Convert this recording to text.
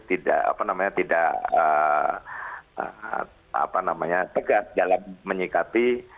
tidak apa namanya tidak apa namanya tegas dalam menyikapi